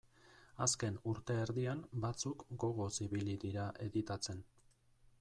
Azken urte erdian batzuk gogoz ibili dira editatzen.